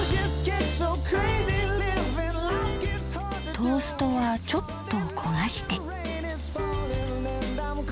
トーストはちょっと焦がして。